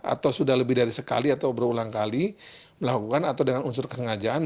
atau sudah lebih dari sekali atau berulang kali melakukan atau dengan unsur kesengajaan